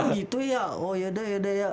oh gitu ya oh yaudah yaudah ya